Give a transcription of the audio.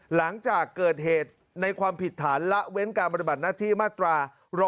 หลังจากเกิดเหตุในความผิดฐานละเว้นการปฏิบัติหน้าที่มาตรา๑๕